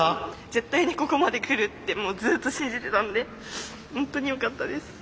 絶対にここまでくるってずっと信じてたのでホントによかったです。